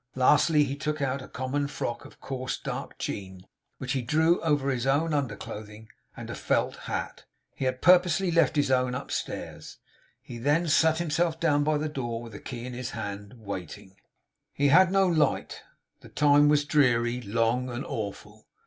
Lastly, he took out a common frock of coarse dark jean, which he drew over his own under clothing; and a felt hat he had purposely left his own upstairs. He then sat himself down by the door, with the key in his hand, waiting. He had no light; the time was dreary, long, and awful.